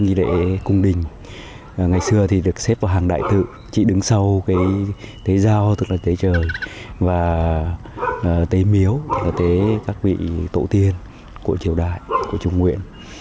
nghi lễ cung đình ngày xưa được xếp vào hàng đại tự chỉ đứng sau tế giao tức là tế trời và tế miếu tức là tế các vị tổ tiên của triều đại của trung nguyện